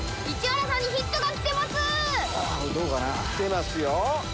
きてますよ。